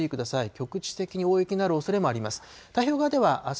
局地的に大雪になるおそれもあります。